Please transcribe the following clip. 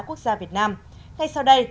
quốc gia việt nam ngay sau đây